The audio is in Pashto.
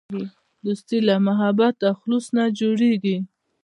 دوستي له محبت او خلوص نه جوړیږي.